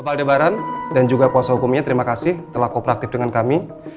bapak aldebaran dan juga kuasa hukumnya terima kasih telah kooperatif dengan kami